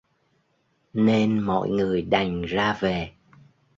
Nên mọi người đành ra về